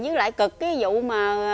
dưới lại cực cái vụ mà